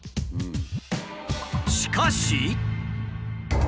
しかし。